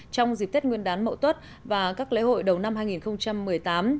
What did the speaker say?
trong dịp tết nguyên đán mậu tuất và các lễ hội đầu năm hai nghìn một mươi tám